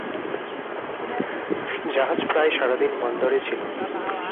জাহাজ প্রায় সারাদিন বন্দরে ছিল।